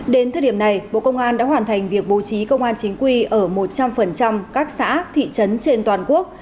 đến thời điểm này bộ công an đã hoàn thành việc bố trí công an chính quy ở một trăm linh các xã thị trấn trên toàn quốc